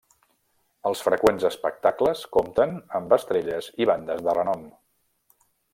Els freqüents espectacles compten amb estrelles i bandes de renom.